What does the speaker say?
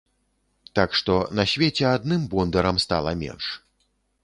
Так што на свеце адным бондарам стала менш.